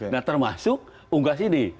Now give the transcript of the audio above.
nah termasuk unggas ini